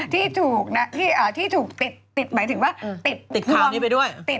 ที่ถูกติดหมายถึงว่าติดปวง